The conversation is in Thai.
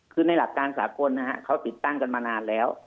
คือในหลักการสากลนะฮะเขาติดตั้งกันมานานแล้ว